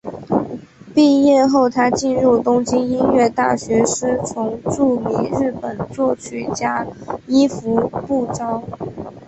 毕业后她进入东京音乐大学师从著名日本作曲家伊福部昭。